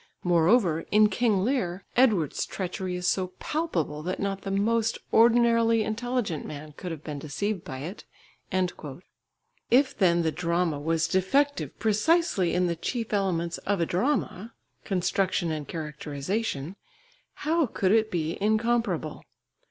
Moreover in King Lear, Edward's treachery is so palpable that not the most ordinarily intelligent man could have been deceived by it!" If then the drama was defective precisely in the chief elements of a drama, construction and characterisation, how could it be incomparable?